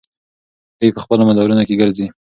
دوی په خپلو مدارونو کې ګرځي.